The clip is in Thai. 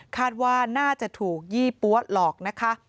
คาดว่าน่าจะถูกยี่ปั๊วหลอกนะคะ